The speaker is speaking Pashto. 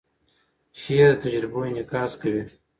شعر د تجربو انعکاس کوي.